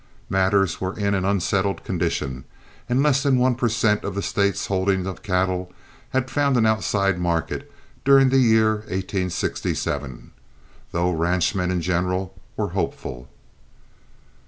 Matters were in an unsettled condition, and less than one per cent of the State's holdings of cattle had found an outside market during the year 1867, though ranchmen in general were hopeful.